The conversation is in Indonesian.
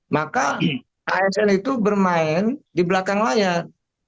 maka asn itu bermain di belakang layar